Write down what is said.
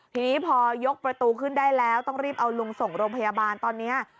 ทีนี้พอยกประตูขึ้นได้แล้วต้องรีบเอาลุงส่งโรงพยาบาลตอนนี้